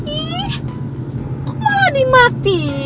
ih kok malah dimati